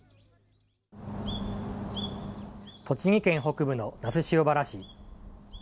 栃木県北部の那須塩原市。